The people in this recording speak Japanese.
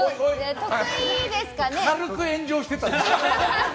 軽く炎上してた。